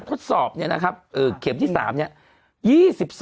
ทดสอบเนี่ยนะครับเก็บที่๓